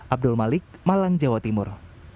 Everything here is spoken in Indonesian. abdul malik malang jawa timur